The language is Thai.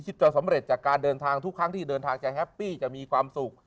จะสำเร็จจากการเดินทางทุกครั้งที่เดินทางจะแฮปปี้จะมีความสุข